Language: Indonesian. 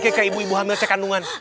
kayak ibu ibu hamil cek kandungan